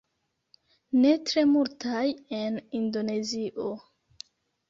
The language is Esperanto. Ne tre multaj en indonezio